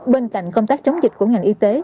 bên cạnh công tác chống dịch của ngành y tế